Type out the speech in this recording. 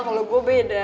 kalau gue beda